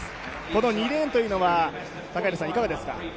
この２レーンというのはいかがですか。